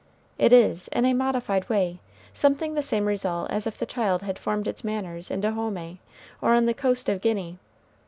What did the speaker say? It is, in a modified way, something the same result as if the child had formed its manners in Dahomey or on the coast of Guinea.